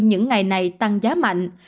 những ngày này tăng giá mạnh